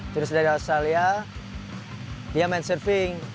terus dari australia dia main surfing